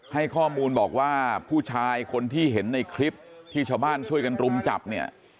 ให้ข้อมูลบอกว่าผู้ชายคนที่เห็นในคลิปที่ชาวบ้านช่วยกันรุมจับเนี่ย